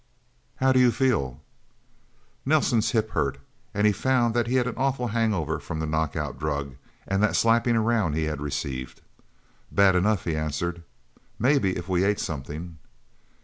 "How do you feel?" Nelsen's hip hurt. And he found that he had an awful hangover from the knockout drug, and the slapping around he had received. "Bad enough," he answered. "Maybe if we ate something..."